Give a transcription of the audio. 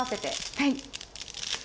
はい。